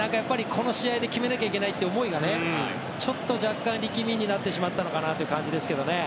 この試合で決めなきゃいけないという思いが若干、力みになったのかなという感じですね。